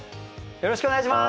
よろしくお願いします。